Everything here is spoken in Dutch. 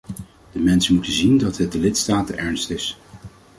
De mensen moeten zien dat het de lidstaten ernst is.